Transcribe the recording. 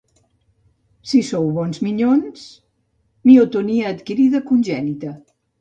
Si sou bons minyons...Miotonia adquirida, congènita.